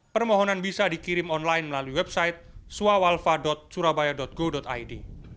permohonan bisa dikirim online melalui website suawalfa surabaya go id